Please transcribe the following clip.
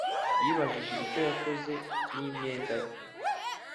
yibajije icyo yakoze n'imyenda ye